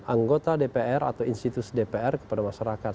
anggota dpr atau institusi dpr kepada masyarakat